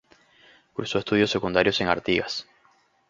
Cursó estudios secundarios en Artigas.